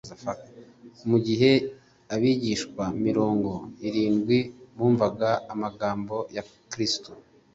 Mu gihe abigishwa mirongo irindwi bumvaga amagambo ya Kristo,